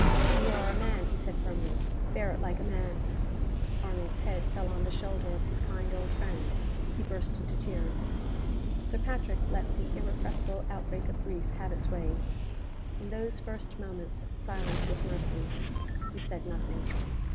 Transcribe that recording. "You are a man," he said, firmly. "Bear it like a man." Arnold's head fell on the shoulder of his kind old friend. He burst into tears. Sir Patrick let the irrepressible outbreak of grief have its way. In those first moments, silence was mercy. He said nothing.